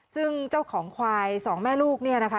ซึ่งเจ้าของควายสองแม่ลูกเนี่ยนะคะ